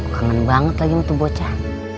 kangen banget lagi mau tuh bocah